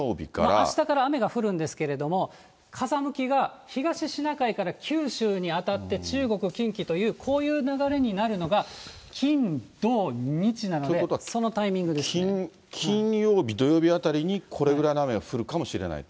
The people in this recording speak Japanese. あしたから雨が降るんですけれども、風向きが東シナ海から九州にあたって、中国、近畿という、こういう流れになるのが、金、土、金曜日、土曜日あたりに、これぐらいの雨が降るかもしれないと。